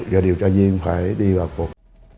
và điều tra viên phải đi vào cuộc